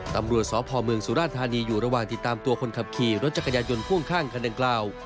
ตำรวจสพเมืองสุราธานีอยู่ระหว่างติดตามตัวคนขับขี่รถจักรยานยนต์พ่วงข้างคันดังกล่าว